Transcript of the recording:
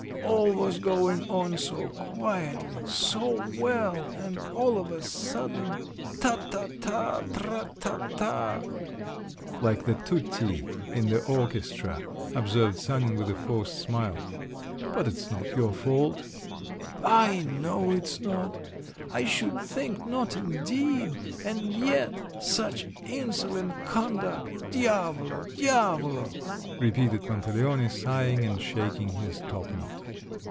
All was going on so quietly, so well … and all of a sudden: ta ta ta, tra ta ta!" "Like the tutti in the orchestra," observed Sanin with a forced smile. "But it's not your fault." "I know it's not. I should think not indeed! And yet … such insolent conduct! Diavolo, diavolo!" repeated Pantaleone, sighing and shaking his topknot.